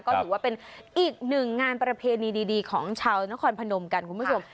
ก็ถือว่าเป็นอีกหนึ่งงานประเพณีดีของชาวนครพนมกันคุณผู้ชม